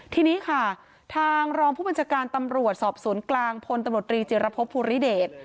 ทีนี้ค่ะทางรองผู้บัญชาการตำรวจสอบสวนกลางพลตำรวจรีจิรพบภูริเดช